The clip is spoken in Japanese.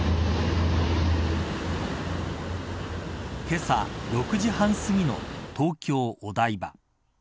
けさ６時半すぎの東京、お台場